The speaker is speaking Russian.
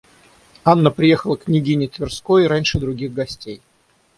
Анна приехала к княгине Тверской раньше других гостей.